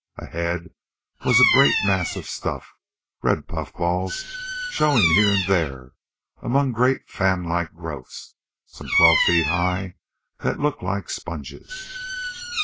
Ahead was a great mass of stuff red puffballs showing here and there among great fanlike growths, some twelve feet high, that looked like sponges.